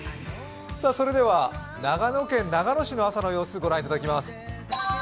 長野県長野市の朝の様子御覧いただきます。